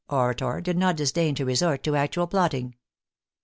orator did not disdain to resort to actual plotting.